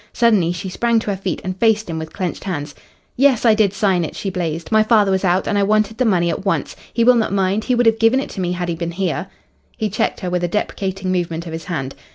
Suddenly she sprang to her feet and faced him with clenched hands. "Yes, I did sign it," she blazed. "My father was out, and I wanted the money at once. He will not mind he would have given it to me had he been here." He checked her with a deprecating movement of his hand.